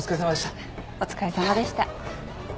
お疲れさまでした。